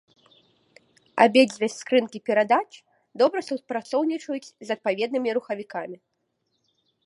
Абедзве скрынкі перадач добра супрацоўнічаюць з адпаведнымі рухавікамі.